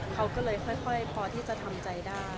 เขาก็เลยค่อยพอที่จะทำใจได้